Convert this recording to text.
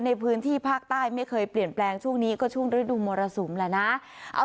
ในพื้นที่ภาคใต้ไม่เคยเปลี่ยนแปลงช่วงนี้ก็ช่วงฤดูมรสุมแหละนะ